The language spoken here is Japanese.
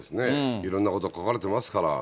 いろんなこと書かれてますから。